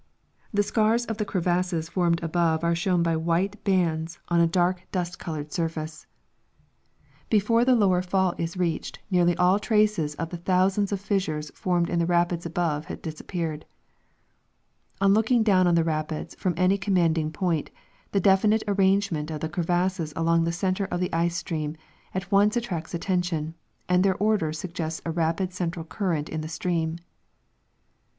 The scars of the crevasses formed above are shown by white bands on a dark dust covered siivlacc^ lM>toi\> llio Icnvor fall is iwicIuhI luwrly all Iracos of the thousamls iW tissuros I'onnod in (he rapids above' have dis nppoarod. On looking do^vn on the rapids from any conunandino point, the dolinito avrangonicnt ol'tho ciwas>sos along the center of the ieo streani at on(>e attracts attention, and their order suggests a rapid central cnrnait in the stream.